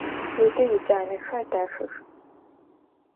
Людэ иджанэхэр дахэх.